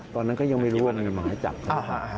ตอนนั้นก็ยังไม่รู้ว่ามีหมายจักรเขา